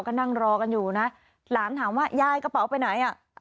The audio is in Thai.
ก็นั่งรอกันอยู่นะหลานถามว่ายายกระเป๋าไปไหนอ่ะ